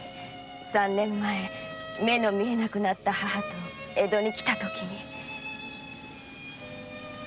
三年前目の見えなくなった母と江戸に来た時。